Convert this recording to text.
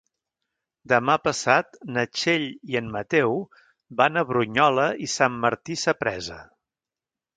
Demà passat na Txell i en Mateu van a Brunyola i Sant Martí Sapresa.